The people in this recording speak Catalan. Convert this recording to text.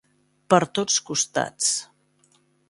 Per tots costats.